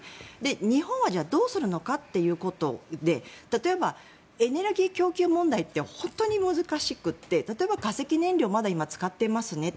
日本はどうするのかということで例えばエネルギー供給問題って本当に難しくて例えば化石燃料をまだ使っていますねと。